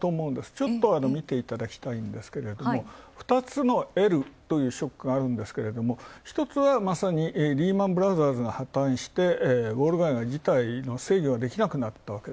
ちょっと見ていただきたいんですが、２つのＬというショックがあるんですが、１つはリーマンブラザーズが破綻して、制御ができなかった。